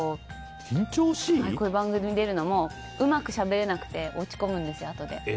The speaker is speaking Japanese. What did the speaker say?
こういう番組に出るのもうまくしゃべれなくてあとで落ち込むんですよ。